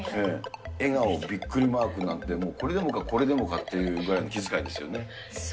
笑顔、びっくりマークなんて、これでもかこれでもかっていうぐらいの気遣いですよね？